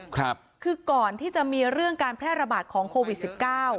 คือก่อนที่จะมีเรื่องการแพร่ระบาดของโควิดสิบเก้า